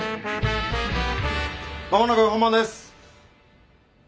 間もなく本番です。